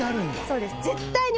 そうです。